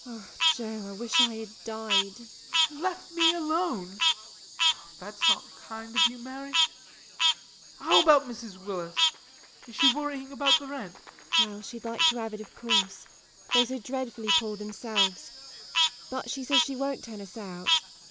O Joe, I wish I had died! JOE. And left me alone? That's not kind of you, Mary. How about Mrs. Willis? Is she worrying about the rent? MARY. Well, she'd like to have it, of course they're so dreadfully poor themselves but she says she won't turn us out.